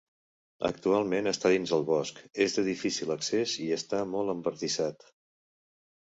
Actualment està dins el bosc, és de difícil accés i està molt embardissat.